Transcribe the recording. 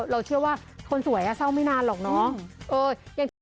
เราเชื่อว่าคนสวยเศร้าไม่นานหรอกเนาะ